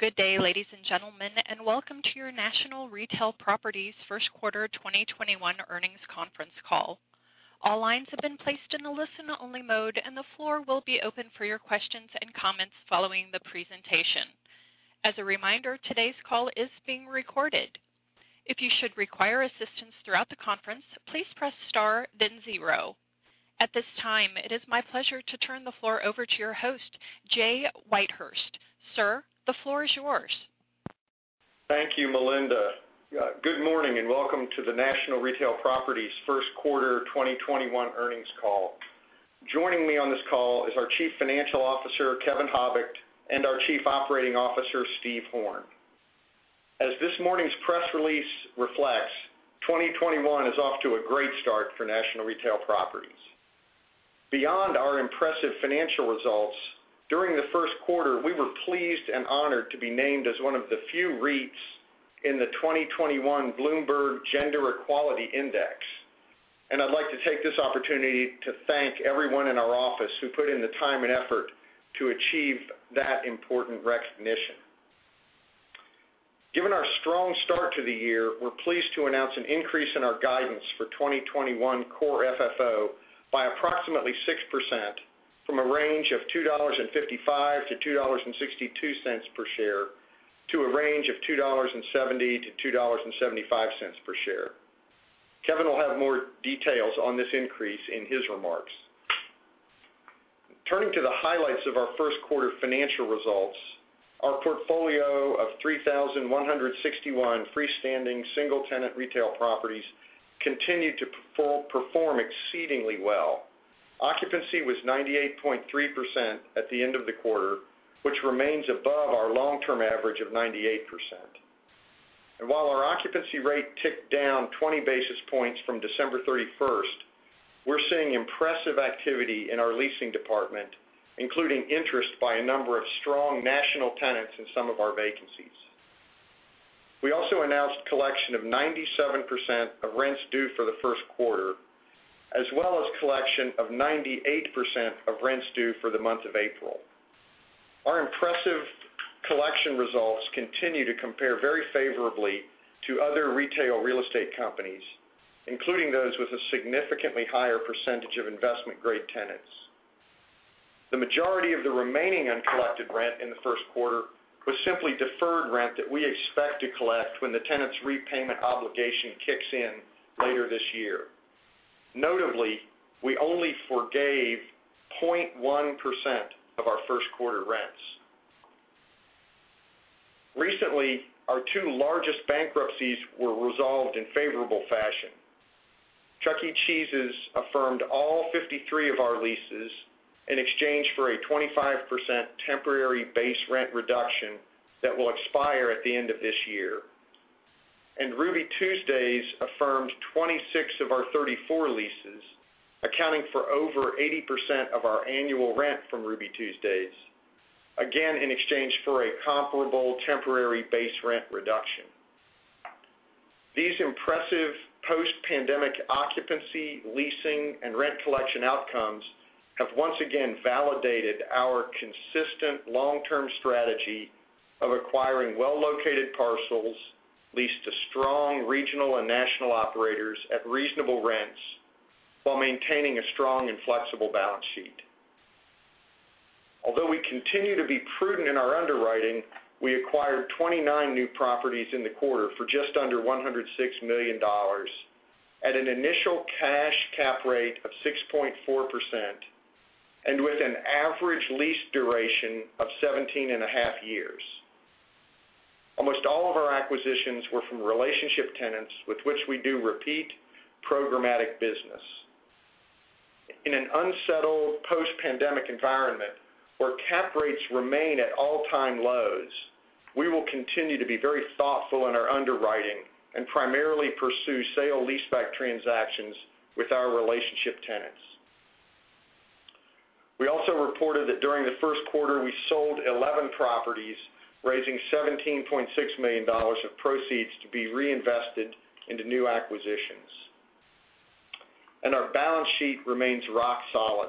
Good day, ladies and gentlemen, and welcome to your National Retail Properties first quarter 2021 earnings conference call. Our lines have been placed in only-listen mode, and the flow will be open for your questions and comments following the presentation. As a reminder, today's call is being recorded. If you should require assistance throughout the conference, please press star then zero. At this time, it is my pleasure to turn the floor over to your host, Julian Whitehurst. Sir, the floor is yours. Thank you, Melinda. Good morning and welcome to the National Retail Properties first quarter 2021 earnings call. Joining me on this call is our Chief Financial Officer, Kevin Habicht, and our Chief Operating Officer, Stephen Horn. As this morning's press release reflects, 2021 is off to a great start for National Retail Properties. Beyond our impressive financial results, during the first quarter, we were pleased and honored to be named as one of the few REITs in the 2021 Bloomberg Gender Equality Index. I'd like to take this opportunity to thank everyone in our office who put in the time and effort to achieve that important recognition. Given our strong start to the year, we're pleased to announce an increase in our guidance for 2021 core FFO by approximately 6% from a range of $2.55-$2.62 per share to a range of $2.70-$2.75 per share. Kevin will have more details on this increase in his remarks. Turning to the highlights of our first quarter financial results, our portfolio of 3,161 freestanding single-tenant retail properties continued to perform exceedingly well. Occupancy was 98.3% at the end of the quarter, which remains above our long-term average of 98%. While our occupancy rate ticked down 20 basis points from December 31st, we're seeing impressive activity in our leasing department, including interest by a number of strong national tenants in some of our vacancies. We also announced collection of 97% of rents due for the first quarter, as well as collection of 98% of rents due for the month of April. Our impressive collection results continue to compare very favorably to other retail real estate companies, including those with a significantly higher percentage of investment-grade tenants. The majority of the remaining uncollected rent in the first quarter was simply deferred rent that we expect to collect when the tenant's repayment obligation kicks in later this year. Notably, we only forgave 0.1% of our first quarter rents. Recently, our two largest bankruptcies were resolved in favorable fashion. Chuck E. Cheese affirmed all 53 of our leases in exchange for a 25% temporary base rent reduction that will expire at the end of this year. Ruby Tuesday affirmed 26 of our 34 leases, accounting for over 80% of our annual rent from Ruby Tuesday, again, in exchange for a comparable temporary base rent reduction. These impressive post-pandemic occupancy, leasing, and rent collection outcomes have once again validated our consistent long-term strategy of acquiring well-located parcels leased to strong regional and national operators at reasonable rents while maintaining a strong and flexible balance sheet. Although we continue to be prudent in our underwriting, we acquired 29 new properties in the quarter for just under $106 million at an initial cash cap rate of 6.4% and with an average lease duration of 17 and a half years. Almost all of our acquisitions were from relationship tenants with which we do repeat programmatic business. In an unsettled post-pandemic environment where cap rates remain at all-time lows, we will continue to be very thoughtful in our underwriting and primarily pursue sale-leaseback transactions with our relationship tenants. We also reported that during the first quarter, we sold 11 properties, raising $17.6 million of proceeds to be reinvested into new acquisitions. Our balance sheet remains rock solid.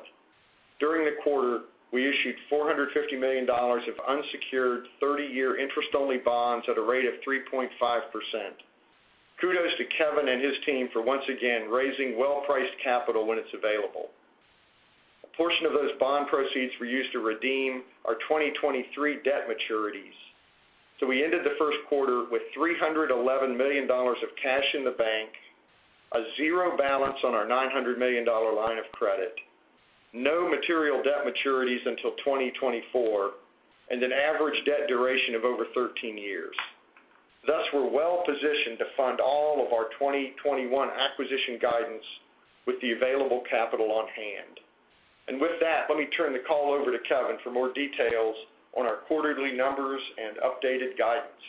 During the quarter, we issued $450 million of unsecured 30-year interest-only bonds at a rate of 3.5%. Kudos to Kevin and his team for once again raising well-priced capital when it's available. A portion of those bond proceeds were used to redeem our 2023 debt maturities. We ended the first quarter with $311 million of cash in the bank, a zero balance on our $900 million line of credit, no material debt maturities until 2024, and an average debt duration of over 13 years. We're well positioned to fund all of our 2021 acquisition guidance with the available capital on hand. With that, let me turn the call over to Kevin for more details on our quarterly numbers and updated guidance.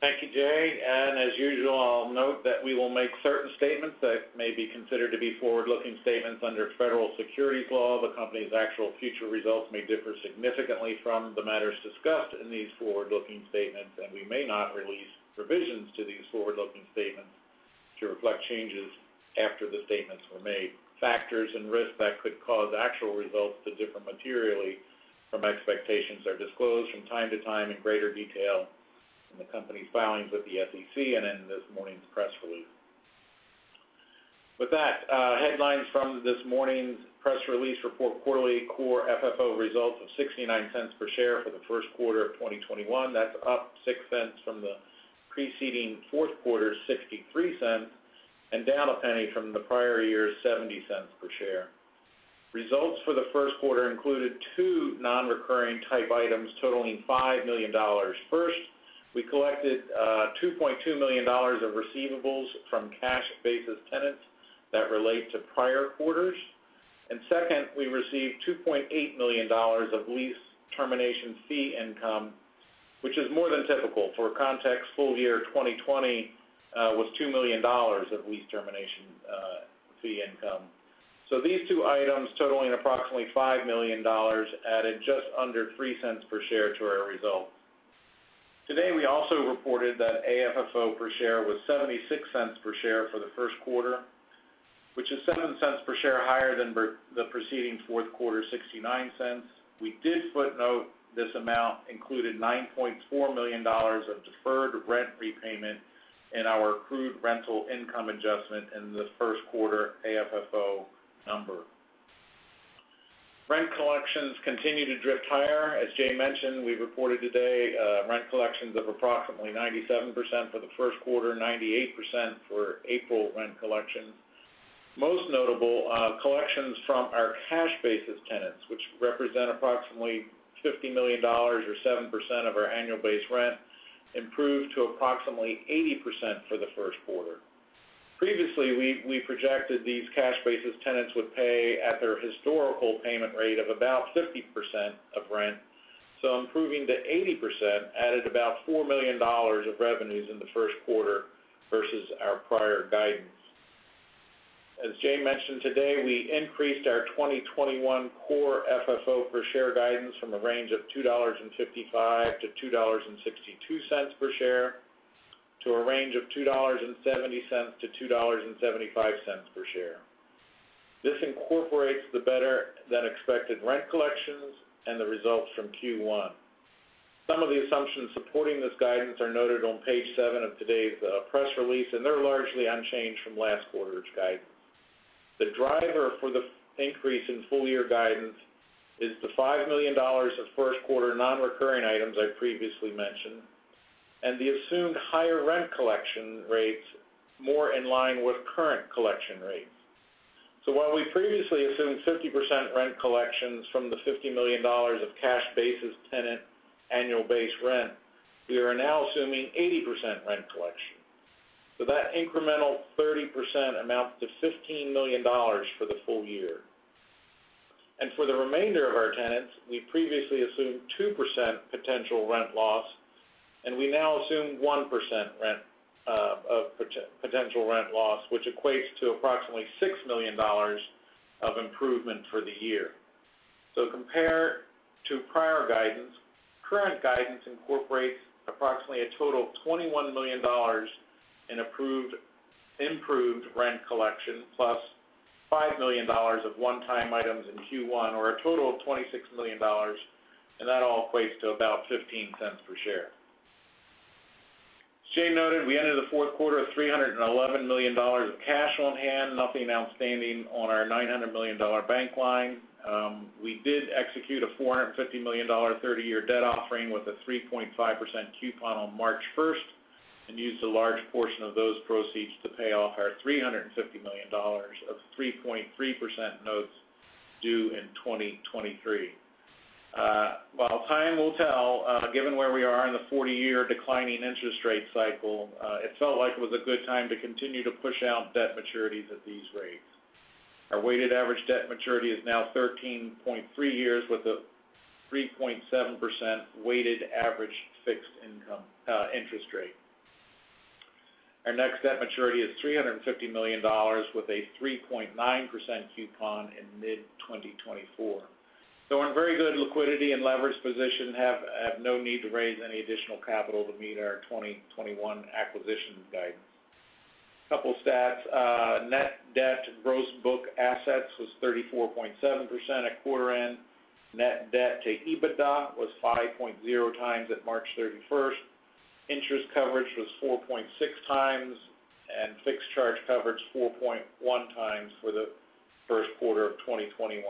Thank you, Jay. As usual, I'll note that we will make certain statements that may be considered to be forward-looking statements under federal securities law. The company's actual future results may differ significantly from the matters discussed in these forward-looking statements, and we may not release revisions to these forward-looking statements to reflect changes after the statements were made. Factors and risks that could cause actual results to differ materially from expectations are disclosed from time to time in greater detail in the company's filings with the SEC and in this morning's press release. With that, headlines from this morning's press release report quarterly core FFO results of $0.69 per share for the first quarter of 2021. That's up $0.06 from the preceding fourth quarter, $0.63, and down $0.01 from the prior year's $0.70 per share. Results for the first quarter included two non-recurring type items totaling $5 million. We collected $2.2 million of receivables from cash basis tenants that relate to prior quarters. Second, we received $2.8 million of lease termination fee income, which is more than typical. For context, full year 2020 was $2 million of lease termination fee income. These two items totaling approximately $5 million, added just under $0.03 per share to our results. Today, we also reported that AFFO per share was $0.76 per share for the first quarter, which is $0.07 per share higher than the preceding fourth quarter, $0.69. We did footnote this amount included $9.4 million of deferred rent prepayment in our accrued rental income adjustment in the first quarter AFFO number. Rent collections continue to drift higher. As Jay mentioned, we reported today rent collections of approximately 97% for the first quarter, 98% for April rent collection. Most notable, collections from our cash basis tenants, which represent approximately $50 million or 7% of our annual base rent, improved to approximately 80% for the first quarter. Previously, we projected these cash basis tenants would pay at their historical payment rate of about 50% of rent. Improving to 80% added about $4 million of revenues in the first quarter versus our prior guidance. As Jay mentioned today, we increased our 2021 core FFO per share guidance from a range of $2.55-$2.62 per share, to a range of $2.70-$2.75 per share. This incorporates the better than expected rent collections and the results from Q1. Some of the assumptions supporting this guidance are noted on page seven of today's press release, and they're largely unchanged from last quarter's guidance. The driver for the increase in full year guidance is the $5 million of first quarter non-recurring items I previously mentioned, and the assumed higher rent collection rates more in line with current collection rates. While we previously assumed 50% rent collections from the $50 million of cash basis tenant annual base rent, we are now assuming 80% rent collection. That incremental 30% amounts to $15 million for the full year. For the remainder of our tenants, we previously assumed 2% potential rent loss, and we now assume 1% of potential rent loss, which equates to approximately $6 million of improvement for the year. Compared to prior guidance, current guidance incorporates approximately a total of $21 million in improved rent collection, +$5 million of one-time items in Q1, or a total of $26 million, and that all equates to about $0.15 per share. As Jay noted, we ended the fourth quarter of $311 million of cash on hand, nothing outstanding on our $900 million bank line. We did execute a $450 million 30-year debt offering with a 3.5% coupon on March 1st, and used a large portion of those proceeds to pay off our $350 million of 3.3% notes due in 2023. While time will tell, given where we are in the 40-year declining interest rate cycle, it felt like it was a good time to continue to push out debt maturities at these rates. Our weighted average debt maturity is now 13.3 years with a 3.7% weighted average fixed income interest rate. Our next debt maturity is $350 million with a 3.9% coupon in mid-2024. In very good liquidity and leverage position, have no need to raise any additional capital to meet our 2021 acquisition guidance. A couple stats. Net debt to gross book assets was 34.7% at quarter end. Net debt to EBITDA was 5.0 times at March 31st. Interest coverage was 4.6 times, and fixed charge coverage 4.1 times for the first quarter of 2021.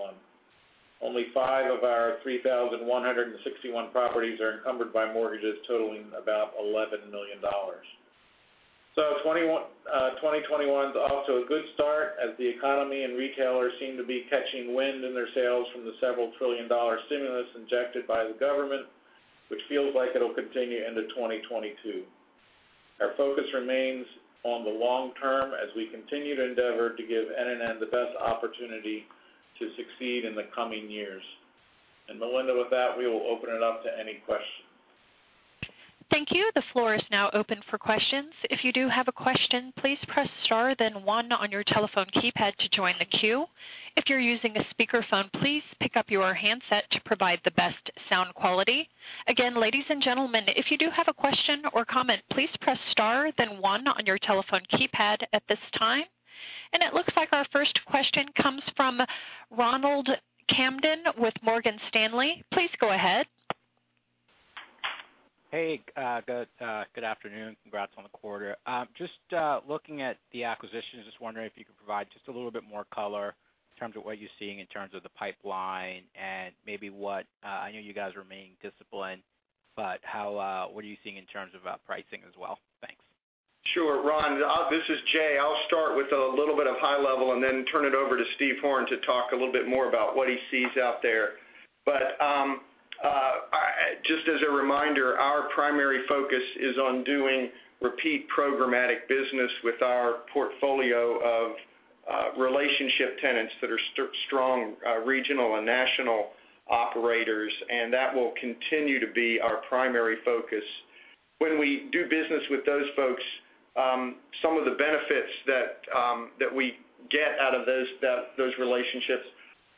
Only five of our 3,161 properties are encumbered by mortgages totaling about $11 million. 2021 is off to a good start as the economy and retailers seem to be catching wind in their sales from the several trillion dollar stimulus injected by the government, which feels like it'll continue into 2022. Our focus remains on the long term as we continue to endeavor to give NNN the best opportunity to succeed in the coming years. Melinda, with that, we will open it up to any questions. Thank you. The floor is now open for questions. If you do have a question, please press star then one on your telephone keypad to join the queue. If you're using a speakerphone, please pick up your handset to provide the best sound quality. Again, ladies and gentlemen, if you do have a question or comment, please press star then one on your telephone keypad at this time. It looks like our first question comes from Ronald Kamdem with Morgan Stanley. Please go ahead. Hey, guys. Good afternoon. Congrats on the quarter. Just looking at the acquisitions, just wondering if you could provide just a little bit more color in terms of what you're seeing in terms of the pipeline and maybe what I know you guys remain disciplined, but what are you seeing in terms of pricing as well? Thanks. Sure, Ron. This is Jay. I'll start with a little bit of high level and then turn it over to Stephen Horn to talk a little bit more about what he sees out there. Just as a reminder, our primary focus is on doing repeat programmatic business with our portfolio of relationship tenants that are strong regional and national operators, and that will continue to be our primary focus. When we do business with those folks, some of the benefits that we get out of those relationships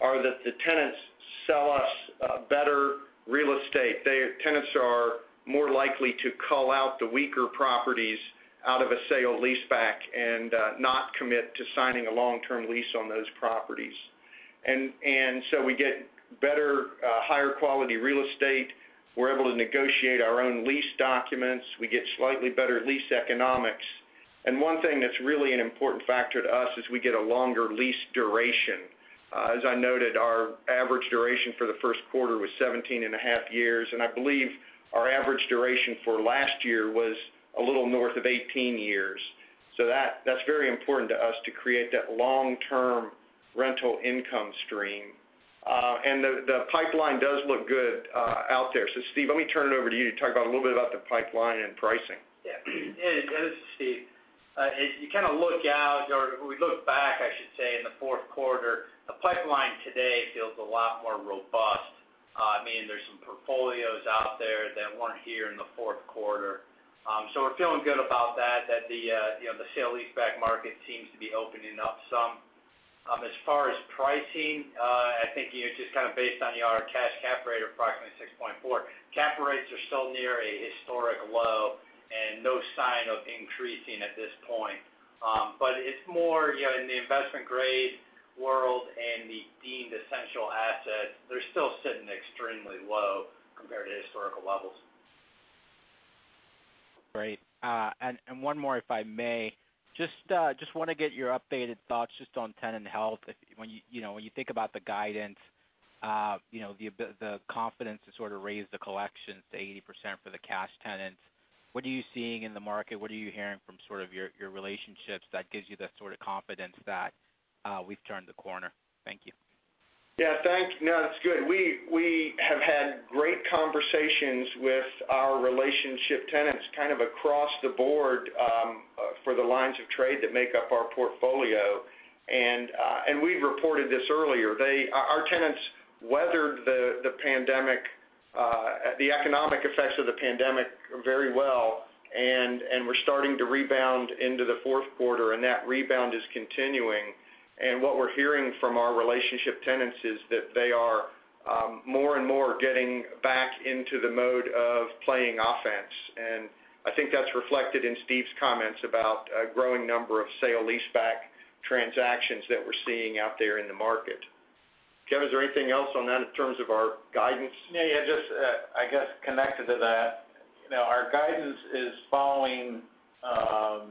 are that the tenants sell us better real estate. The tenants are more likely to call out the weaker properties out of a sale-leaseback and not commit to signing a long-term lease on those properties. We get better, higher-quality real estate. We're able to negotiate our own lease documents. We get slightly better lease economics. One thing that's really an important factor to us is we get a longer lease duration. As I noted, our average duration for the first quarter was 17.5 years, and I believe our average duration for last year was a little north of 18 years. That's very important to us to create that long-term rental income stream. The pipeline does look good out there. Steve, let me turn it over to you to talk a little bit about the pipeline and pricing. Yeah. This is Steve. If you kind of look out or we look back, I should say, in the fourth quarter, the pipeline today feels a lot more robust. I mean, there's some portfolios out there that weren't here in the fourth quarter. We're feeling good about that the sale-leaseback market seems to be opening up some. As far as pricing, I think just kind of based on our cash cap rate of approximately 6.4%. Cap rates are still near a historic low and no sign of increasing at this point. It's more in the investment-grade world and the deemed essential assets. They're still sitting extremely low compared to historical levels. Great. One more, if I may. Just want to get your updated thoughts just on tenant health. When you think about the guidance, the confidence to sort of raise the collections to 80% for the cash tenants, what are you seeing in the market? What are you hearing from sort of your relationships that gives you the sort of confidence that we've turned the corner? Thank you. Yeah, thanks. That's good. We have had great conversations with our relationship tenants kind of across the board, for the lines of trade that make up our portfolio. We've reported this earlier. Our tenants weathered the economic effects of the pandemic very well. We're starting to rebound into the fourth quarter, and that rebound is continuing. What we're hearing from our relationship tenants is that they are more and more getting back into the mode of playing offense. I think that's reflected in Stephen Horn's comments about a growing number of sale-leaseback transactions that we're seeing out there in the market. Kev, is there anything else on that in terms of our guidance? Yeah. Just, I guess, connected to that. Our guidance is following our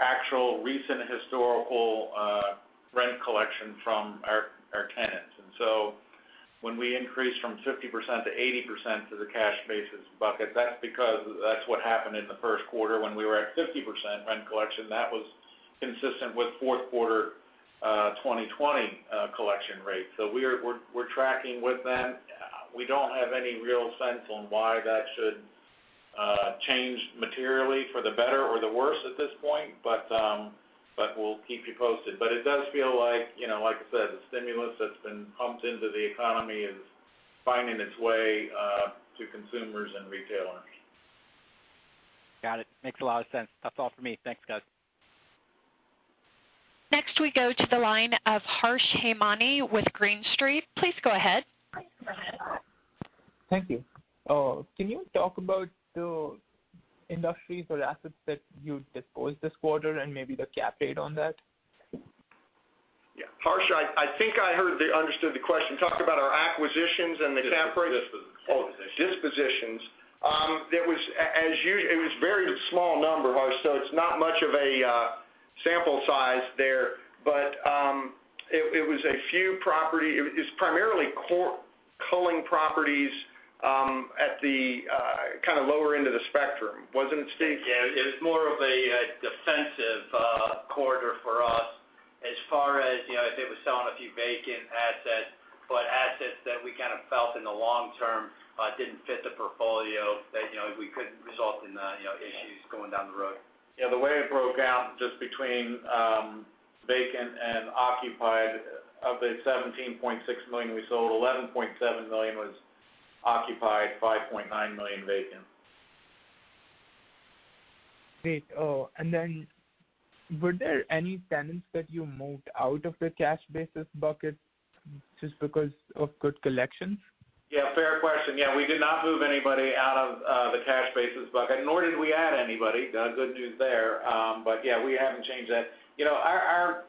actual recent historical rent collection from our tenants. When we increased from 50% to 80% to the cash basis bucket, that's because that's what happened in the first quarter when we were at 50% rent collection. That was consistent with fourth quarter 2020 collection rates. We're tracking with them. We don't have any real sense on why that should change materially for the better or the worse at this point, but we'll keep you posted. It does feel like I said, the stimulus that's been pumped into the economy is finding its way to consumers and retailers. Got it. Makes a lot of sense. That's all for me. Thanks, guys. Next we go to the line of Harsh Hemnani with Green Street. Please go ahead. Thank you. Can you talk about the industries or assets that you disposed this quarter and maybe the cap rate on that? Yeah. Harsh, I think I understood the question. Talked about our acquisitions and the cap rate. Dispositions. Dispositions. It was a very small number, Harsh, so it's not much of a sample size there, but it was a few property. It's primarily culling properties at the kind of lower end of the spectrum. Wasn't it, Steve? Yeah. It was more of a defensive corridor for us as far as if it was selling a few vacant assets, but assets that we kind of felt in the long term didn't fit the portfolio that we could result in issues going down the road. Yeah, the way it broke out just between. Vacant and occupied. Of the $17.6 million we sold, $11.7 million was occupied, $5.9 million vacant. Great. Oh, were there any tenants that you moved out of the cash basis bucket just because of good collections? Yeah, fair question. Yeah, we did not move anybody out of the cash basis bucket, nor did we add anybody. Good news there. Yeah, we haven't changed that. Our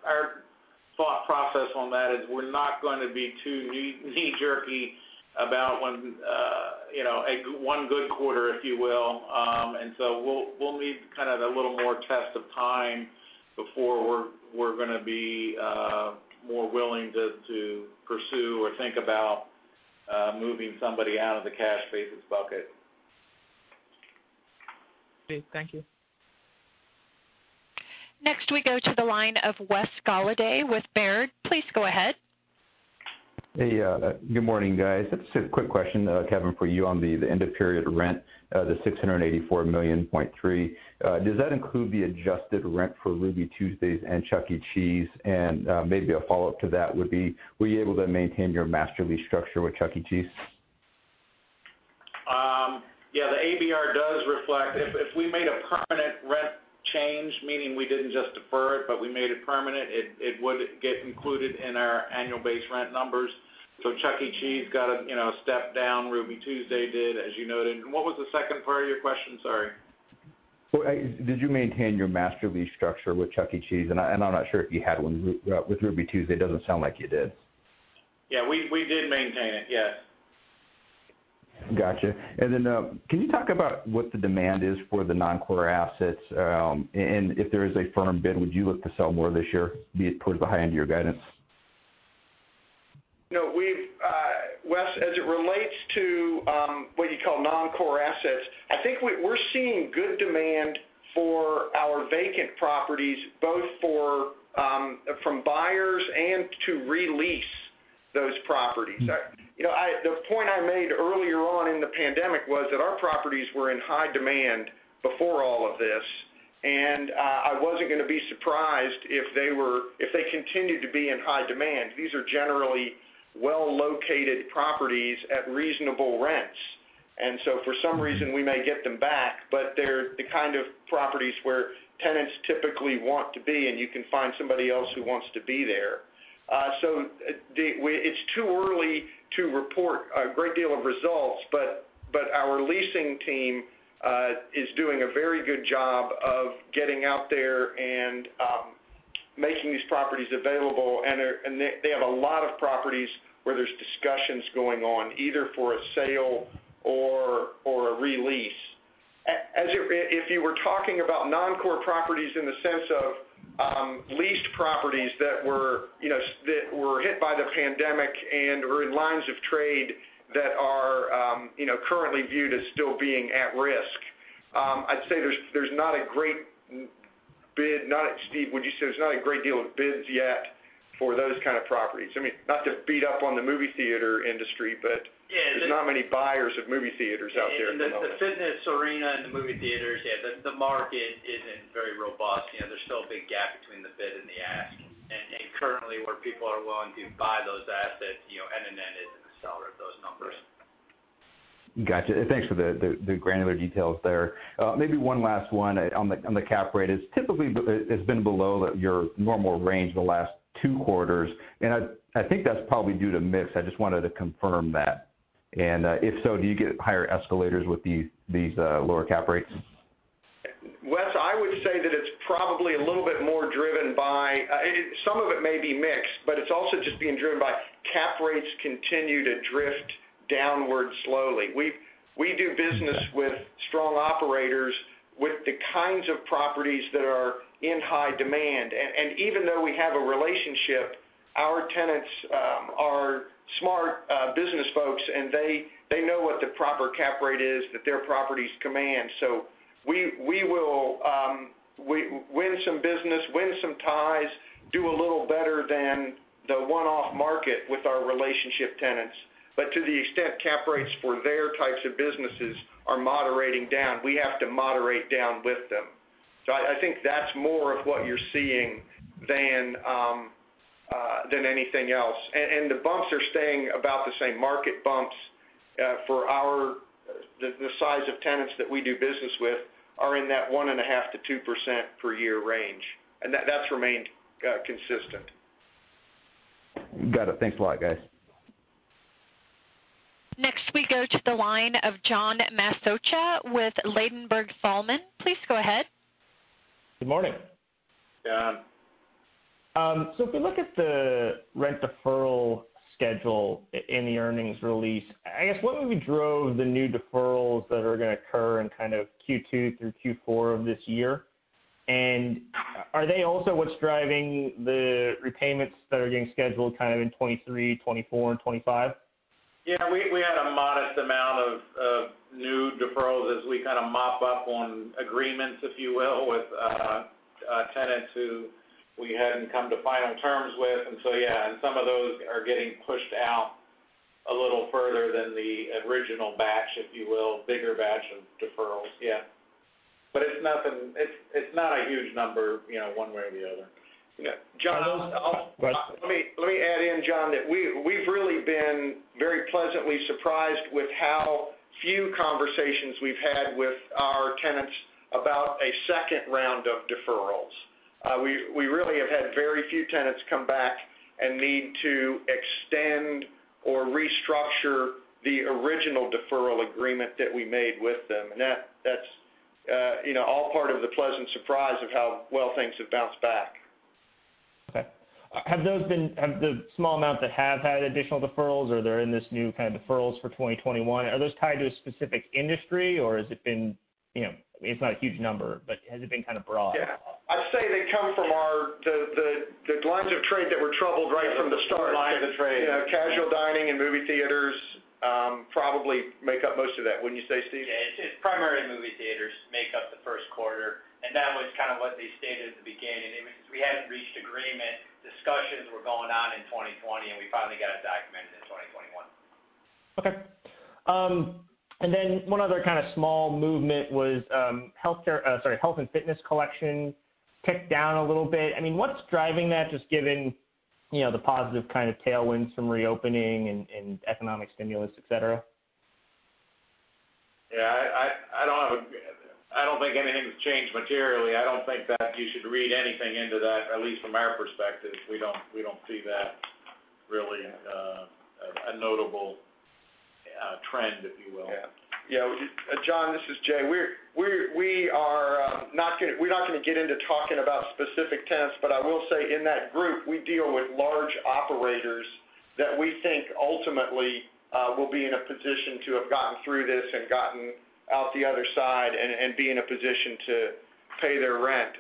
thought process on that is we're not going to be too knee-jerky about one good quarter, if you will. We'll need kind of a little more test of time before we're going to be more willing to pursue or think about moving somebody out of the cash basis bucket. Great. Thank you. Next, we go to the line of Wesley Golladay with Baird. Please go ahead. Hey, good morning, guys. Just a quick question, Kevin, for you on the end of period rent, the $684.3 million. Does that include the adjusted rent for Ruby Tuesday and Chuck E. Cheese? Maybe a follow-up to that would be, were you able to maintain your master lease structure with Chuck E. Cheese? The ABR does reflect If we made a permanent rent change, meaning we didn't just defer it, but we made it permanent, it would get included in our annual base rent numbers. Chuck E. Cheese got a step down. Ruby Tuesday did, as you noted. What was the second part of your question? Sorry. Did you maintain your master lease structure with Chuck E. Cheese? I'm not sure if you had one with Ruby Tuesday. It doesn't sound like you did. We did maintain it, yes. Got you. Can you talk about what the demand is for the non-core assets? If there is a firm bid, would you look to sell more this year, be it put behind your guidance? No, Wes, as it relates to what you call non-core assets, I think we're seeing good demand for our vacant properties, both from buyers and to re-lease those properties. The point I made earlier on in the pandemic was that our properties were in high demand before all of this, and I wasn't going to be surprised if they continued to be in high demand. These are generally well-located properties at reasonable rents, and so for some reason, we may get them back, but they're the kind of properties where tenants typically want to be, and you can find somebody else who wants to be there. It's too early to report a great deal of results, but our leasing team is doing a very good job of getting out there and making these properties available, and they have a lot of properties where there's discussions going on, either for a sale or a re-lease. If you were talking about non-core properties in the sense of leased properties that were hit by the pandemic and are in lines of trade that are currently viewed as still being at risk, I'd say there's not a great bid. Steve, would you say there's not a great deal of bids yet for those kind of properties? I mean, not to beat up on the movie theater industry. Yeah There's not many buyers of movie theaters out there at the moment. The fitness arena and the movie theaters, yeah, the market isn't very robust. There's still a big gap between the bid and the ask. Currently, where people are willing to buy those assets, NNN isn't the seller of those numbers. Got you. Thanks for the granular details there. Maybe one last one on the cap rate. It typically has been below your normal range the last two quarters. I think that's probably due to mix. I just wanted to confirm that. If so, do you get higher escalators with these lower cap rates? Wes, I would say that it's probably a little bit more driven by some of it may be mix, but it's also just being driven by cap rates continue to drift downward slowly. We do business with strong operators with the kinds of properties that are in high demand. Even though we have a relationship, our tenants are smart business folks, and they know what the proper cap rate is that their properties command. We will win some business, win some ties, do a little better than the one-off market with our relationship tenants. To the extent cap rates for their types of businesses are moderating down, we have to moderate down with them. I think that's more of what you're seeing than anything else. The bumps are staying about the same. Market bumps for the size of tenants that we do business with are in that 1.5%-2% per year range, and that's remained consistent. Got it. Thanks a lot, guys. We go to the line of John Massocca with Ladenburg Thalmann. Please go ahead. Good morning. John. If we look at the rent deferral schedule in the earnings release, I guess what maybe drove the new deferrals that are going to occur in kind of Q2 through Q4 of this year? Are they also what's driving the repayments that are getting scheduled kind of in 2023, 2024, and 2025? Yeah, we had a modest amount of new deferrals as we kind of mop up on agreements, if you will, with tenants who we hadn't come to final terms with. Yeah, some of those are getting pushed out a little further than the original batch, if you will, bigger batch of deferrals. Yeah. It's not a huge number one way or the other. Yeah. John, let me add in, John, that we've really been very pleasantly surprised with how few conversations we've had with our tenants about a second round of deferrals. We really have had very few tenants come back and need to extend or restructure the original deferral agreement that we made with them. That's all part of the pleasant surprise of how well things have bounced back. Okay. Have the small amount that have had additional deferrals or they're in this new kind of deferrals for 2021, are those tied to a specific industry, or has it been, it's not a huge number, but has it been kind of broad? Yeah. I'd say they come from the lines of trade that were troubled right from the start. The line of the trade. Casual dining and movie theaters probably make up most of that, wouldn't you say, Steve? Yeah. It's primarily movie theaters make up the first quarter. That was kind of what they stated at the beginning. We hadn't reached agreement. Discussions were going on in 2020. We finally got it documented in 2021. Okay. One other kind of small movement was health and fitness collection ticked down a little bit. What's driving that, just given the positive kind of tailwinds from reopening and economic stimulus, et cetera? Yeah, I don't think anything's changed materially. I don't think that you should read anything into that, at least from our perspective. We don't see that really as a notable trend, if you will. John, this is Jay. We're not going to get into talking about specific tenants, but I will say in that group, we deal with large operators that we think ultimately will be in a position to have gotten through this and gotten out the other side and be in a position to pay their rent.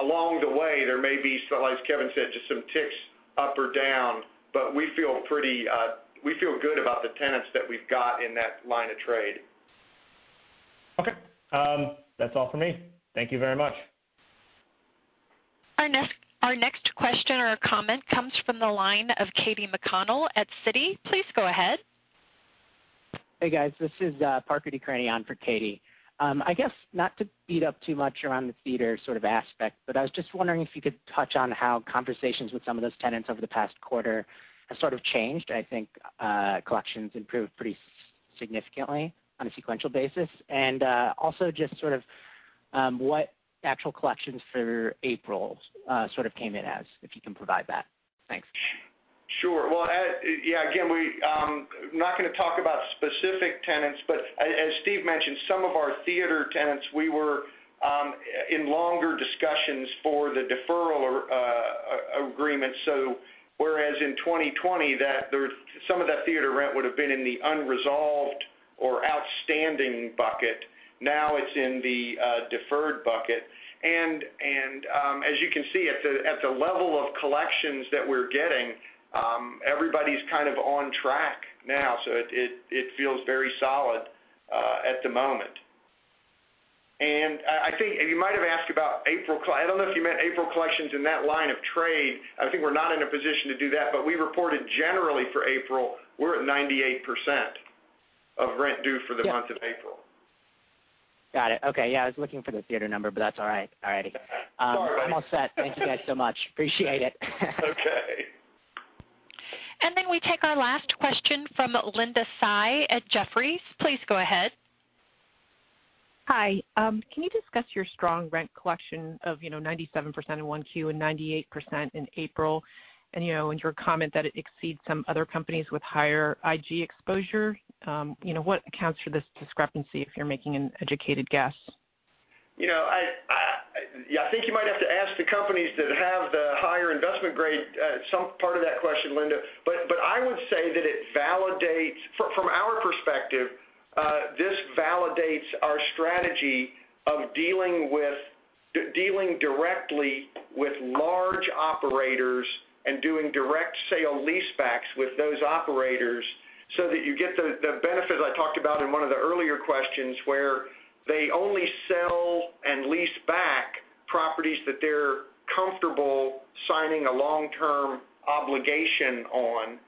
Along the way, there may be some, like as Kevin said, just some ticks up or down, but we feel good about the tenants that we've got in that line of trade. Okay. That's all for me. Thank you very much. Our next question or comment comes from the line of Katy McConnell at Citi. Please go ahead. Hey, guys. This is Parker Decraene for Katy. I guess not to beat up too much around the theater sort of aspect, but I was just wondering if you could touch on how conversations with some of those tenants over the past quarter have sort of changed. I think collections improved pretty significantly on a sequential basis. Also just sort of, what actual collections for April sort of came in as, if you can provide that. Thanks. Sure. Well, yeah, again, we're not going to talk about specific tenants, but as Steve mentioned, some of our theater tenants, we were in longer discussions for the deferral agreement. Whereas in 2020, some of that theater rent would've been in the unresolved or outstanding bucket. Now it's in the deferred bucket. As you can see at the level of collections that we're getting, everybody's kind of on track now, so it feels very solid at the moment. I think you might have asked about April. I don't know if you meant April collections in that line of trade. I think we're not in a position to do that, but we reported generally for April, we're at 98% of rent due for the month of April. Got it. Okay. Yeah, I was looking for the theater number, but that's all right. All righty. Sorry. I'm all set. Thank you guys so much. Appreciate it. Okay. We take our last question from Linda Tsai at Jefferies. Please go ahead. Hi. Can you discuss your strong rent collection of 97% in Q1 and 98% in April, and your comment that it exceeds some other companies with higher IG exposure? What accounts for this discrepancy if you're making an educated guess? I think you might have to ask the companies that have the higher investment-grade some part of that question, Linda. I would say that from our perspective, this validates our strategy of dealing directly with large operators and doing direct sale-leasebacks with those operators so that you get the benefit I talked about in one of the earlier questions, where they only sell and lease back properties that they're comfortable signing a long-term obligation on.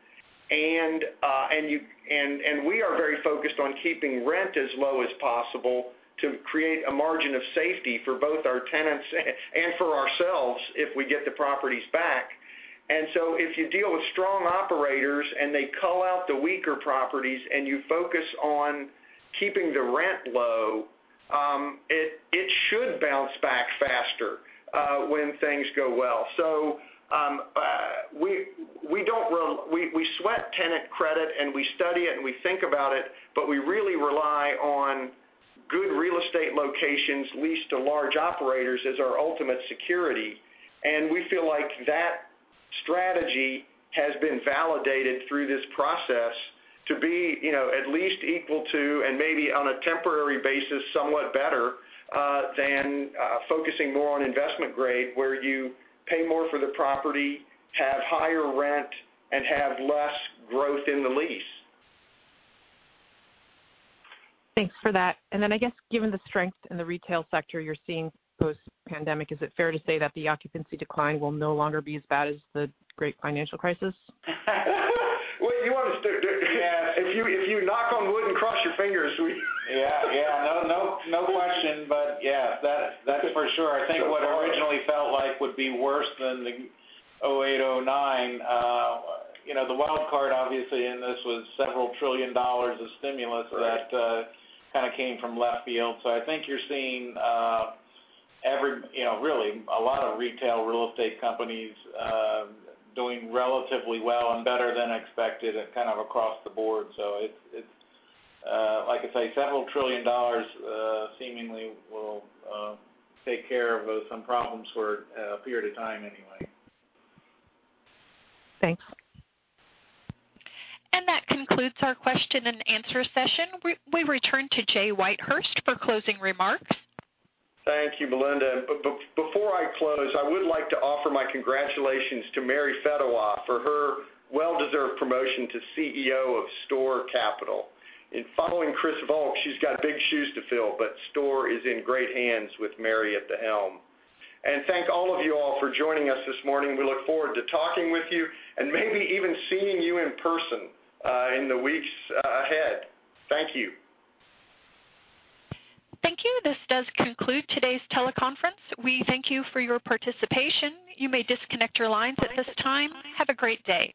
We are very focused on keeping rent as low as possible to create a margin of safety for both our tenants and for ourselves if we get the properties back. If you deal with strong operators and they cull out the weaker properties and you focus on keeping the rent low, it should bounce back faster when things go well. We sweat tenant credit, and we study it, and we think about it, but we really rely on good real estate locations leased to large operators as our ultimate security. We feel like that strategy has been validated through this process to be at least equal to, and maybe on a temporary basis somewhat better, than focusing more on investment-grade, where you pay more for the property, have higher rent, and have less growth in the lease. Thanks for that. I guess given the strength in the retail sector you're seeing post-pandemic, is it fair to say that the occupancy decline will no longer be as bad as the Great Financial Crisis? Well, you want to stick- Yeah. If you knock on wood and cross your fingers. Yeah. No question, but yeah. That's for sure. I think what originally felt like would be worse than the 2008, 2009, the wild card obviously in this was several trillion dollars of stimulus that kind of came from left field. I think you're seeing really a lot of retail real estate companies doing relatively well and better than expected and kind of across the board. It's, like I say, several trillion dollars seemingly will take care of some problems for a period of time anyway. Thanks. That concludes our question and answer session. We return to Julian Whitehurst for closing remarks. Thank you, Melinda. Before I close, I would like to offer my congratulations to Mary Fedewa for her well-deserved promotion to CEO of STORE Capital. In following Chris Volk, she's got big shoes to fill, but STORE is in great hands with Mary at the helm. Thank all of you all for joining us this morning. We look forward to talking with you and maybe even seeing you in person in the weeks ahead. Thank you. Thank you. This does conclude today's teleconference. We thank you for your participation. You may disconnect your lines at this time. Have a great day.